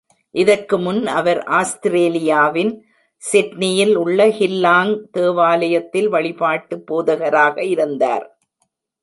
இதற்கு முன் அவர் ஆஸ்திரேலியாவின் சிட்னியில் உள்ள ஹில்லாங் தேவாலயத்தில் வழிபாட்டு போதகராக இருந்தார்.